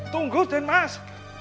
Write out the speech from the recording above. tunggu den mas